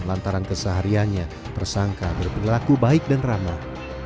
lantaran kesehariannya tersangka berperilaku baik dan ramah